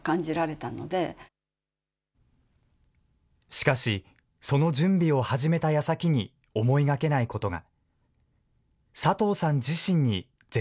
しかし、その準備を始めたやさきに思いがけないことが。